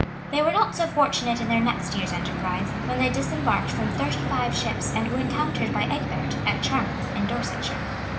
[] They were not so fortunate in their next year's enterprise, when they disembarked from thirty five ships, and were encountered by Egbert, at Charmouth, in Dorsetshire.